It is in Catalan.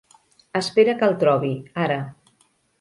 Espera que el trobi, ara.